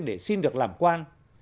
để xin được làm quan